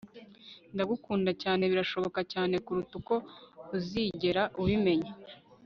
ndagukunda cyane birashoboka cyane kuruta uko uzigera ubimenya